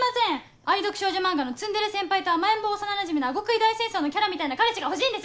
愛読少女漫画の『ツンデレ先輩と甘えん坊幼馴染みの顎クイ大戦争』のキャラみたいな彼氏が欲しいんです！